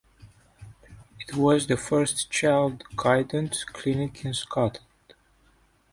It was the first child guidance clinic in Scotland.